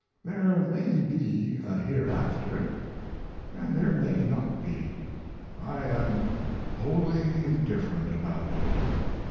There may be a hereafter and there may not be. I am wholly indifferent about it.